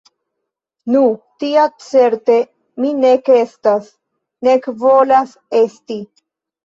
Nu, tia certe mi nek estas, nek volas esti.